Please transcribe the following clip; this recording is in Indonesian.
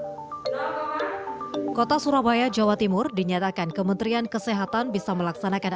hai kota surabaya jawa timur dinyatakan kementerian kesehatan bisa melaksanakan